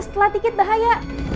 setelah dikit bahaya